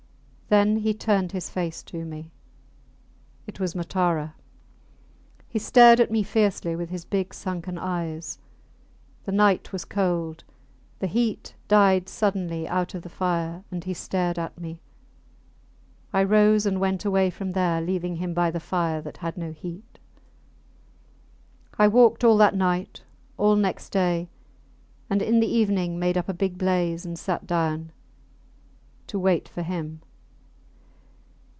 Then he turned his face to me. It was Matara. He stared at me fiercely with his big sunken eyes. The night was cold; the heat died suddenly out of the fire, and he stared at me. I rose and went away from there, leaving him by the fire that had no heat. I walked all that night, all next day, and in the evening made up a big blaze and sat down to wait for him.